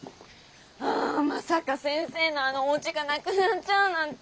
あまさか先生のあのお家がなくなっちゃうなんて。